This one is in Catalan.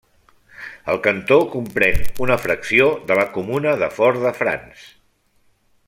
El cantó comprèn una fracció de la comuna de Fort-de-France.